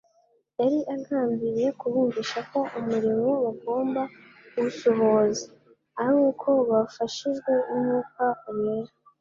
yari agambiriye kubumvisha ko umurimo bagomba kuwusohoza ari uko bafashijwe n'Umwuka wera.